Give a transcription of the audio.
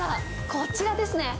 こちらですね。